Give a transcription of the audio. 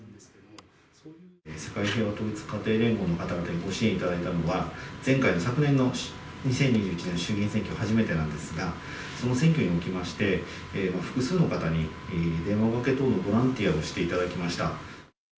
世界平和統一家庭連合の方々にご支援いただいたのは、前回の、昨年の２０２１年の衆議院選挙が初めてなんですが、その選挙におきまして、複数の方に電話受け等のボランティアをしていただきました。